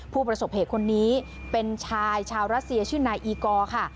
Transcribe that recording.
ผู้ประสบเหตุคนนี้เป็นชายชาวรัสเซียชื่อนายอีกอร์ค่ะ